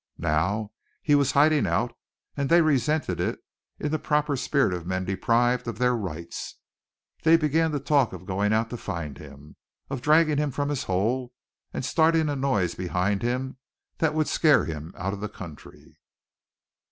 Now he was hiding out, and they resented it in the proper spirit of men deprived of their rights. They began to talk of going out to find him, of dragging him from his hole and starting a noise behind him that would scare him out of the country.